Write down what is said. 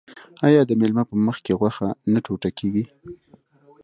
آیا د میلمه په مخکې غوښه نه ټوټه کیږي؟